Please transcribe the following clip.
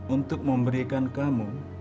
untuk memberikan kamu